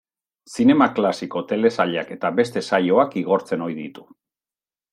Zinema klasiko, telesailak eta beste saioak igortzen ohi ditu.